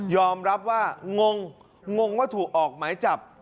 อมรับว่างงงว่าถูกออกหมายจับ